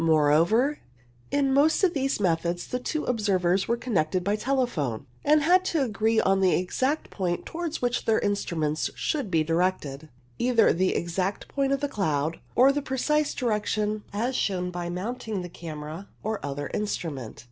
Moreover, in most of these methods the two observers were connected by telephone, and had to agree on the exact point towards which their instru ments should be directed ; either the exact point of the cloud, or the precise direction as shown by the mounting of the camera or other instrument.